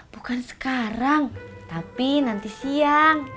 bukan sekarang tapi nanti siang